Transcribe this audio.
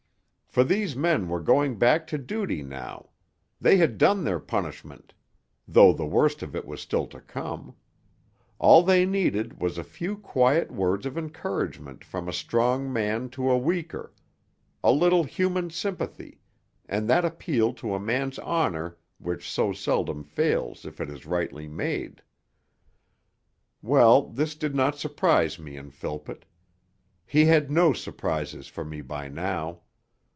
For these men were going back to duty now; they had done their punishment though the worst of it was still to come; all they needed was a few quiet words of encouragement from a strong man to a weaker, a little human sympathy, and that appeal to a man's honour which so seldom fails if it is rightly made. Well, this did not surprise me in Philpott; he had no surprises for me by now.